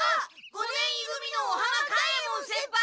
五年い組の尾浜勘右衛門先輩！